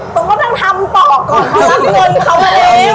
ต้องก็ต้องทำต่อก่อนเขานำเงินเขามาเอง